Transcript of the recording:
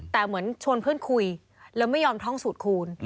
แต่เหมือนชวนเพื่อนคุยแล้วไม่ยอมท่องสูตรคูณ